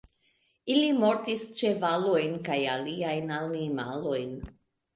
Ili mortigis ĉevalojn kaj aliajn animalojn.